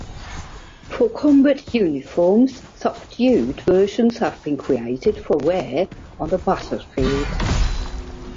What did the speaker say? For combat uniforms, "subdued" versions have been created for wear on the battlefield.